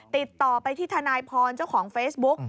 ติดต่อไปที่ทนายพรเจ้าของเฟซบุ๊ก